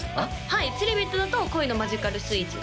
はいつりビットだと「恋のマジカルスイーツ」